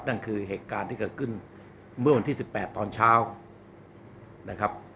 นั่นคือเหตุการณ์ที่เกิดขึ้นเมื่อวันที่๑๘ตอนเช้านะครับ